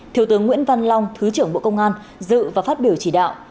thiếu tướng nguyễn văn long thứ trưởng bộ công an dự và phát biểu chỉ đạo